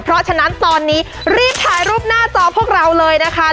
เพราะฉะนั้นตอนนี้รีบถ่ายรูปหน้าจอพวกเราเลยนะคะ